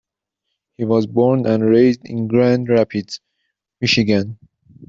He was born and raised in Grand Rapids, Michigan.